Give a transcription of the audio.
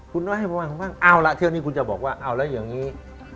คุณต้องให้ประมาณของบ้างเอาละเทียบนี้คุณจะบอกว่าเอาละอย่างนี้